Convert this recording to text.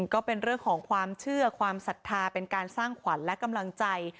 ก็เป็นเรื่องของความเชื่อความศรัทธาเป็นการสร้างขวัญและกำลังใจ